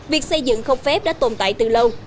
việc xây dựng không phép đã tồn tại từ lâu